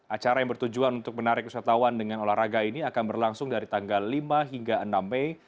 acara yang bertujuan untuk menarik usahawan dengan olahraga ini akan berlangsung dari tanggal lima hingga enam mei